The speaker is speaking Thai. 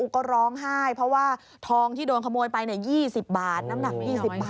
ก็ร้องไห้เพราะว่าทองที่โดนขโมยไป๒๐บาทน้ำหนัก๒๐บาท